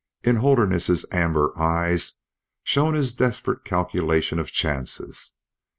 In Holderness's amber eyes shone his desperate calculation of chances.